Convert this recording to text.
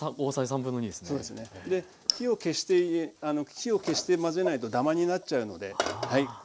火を消して混ぜないとダマになっちゃうので。